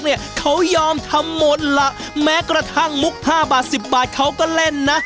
คุณโจ๊กเขายอมทำหมดละแม้กระทั่งมุก๕บาท๑๐บาทเขาก็เล่นนะ